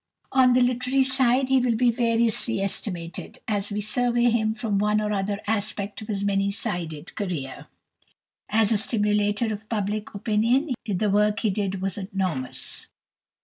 On the literary side he will be variously estimated, as we survey him from one or other aspect of his many sided career. As a stimulator of public opinion the work he did was enormous.